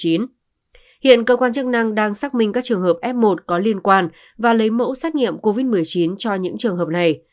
hiện cơ quan chức năng đang xác minh các trường hợp f một có liên quan và lấy mẫu xét nghiệm covid một mươi chín cho những trường hợp này